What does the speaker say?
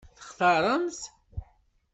Textaṛem-t?